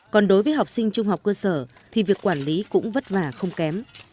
còn đối với học sinh trung học cơ sở thì việc quản lý cũng vất vả không kém